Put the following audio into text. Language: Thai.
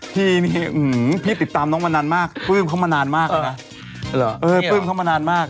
พี่นี่หือพี่ติดตามน้องมานานมากปลื้มเขามานานมากนะฮะ